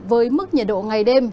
với mức nhiệt độ ngày đêm